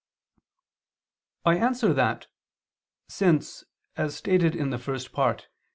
I answer that, Since, as stated in the First Part (Q.